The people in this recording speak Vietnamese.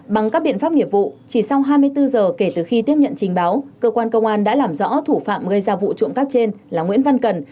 bằng các biện pháp nghiệp vụ chỉ sau hai mươi bốn giờ kể từ khi tiếp nhận trình báo cơ quan công an đã làm rõ thủ phạm gây ra vụ trộm cắp trên là nguyễn văn cần